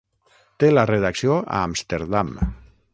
Té la redacció a Amsterdam.